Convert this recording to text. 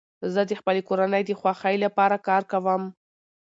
زه د خپلي کورنۍ د خوښۍ له پاره کار کوم.